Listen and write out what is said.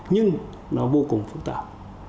nhưng nó vô cùng phức tạp